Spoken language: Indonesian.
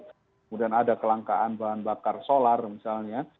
kemudian ada kelangkaan bahan bakar solar misalnya